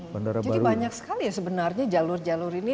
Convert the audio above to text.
jadi banyak sekali sebenarnya jalur jalur ini